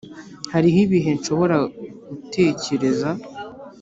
hariho ibihe nshobora gutekereza